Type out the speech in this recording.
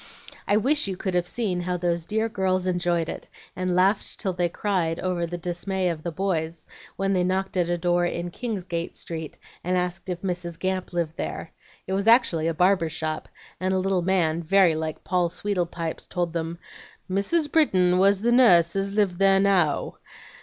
I wish you could have seen how those dear girls enjoyed it, and laughed till they cried over the dismay of the boys, when they knocked at a door in Kingsgate Street, and asked if Mrs. Gamp lived there. It was actually a barber's shop, and a little man, very like Poll Sweedlepipes, told them 'Mrs. Britton was the nuss as lived there now.'